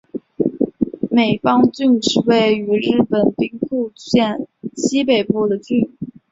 美方郡是位于日本兵库县西北部的郡。